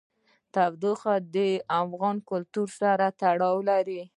تودوخه د افغان کلتور سره تړاو لري.